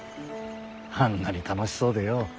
あんなに楽しそうでよ。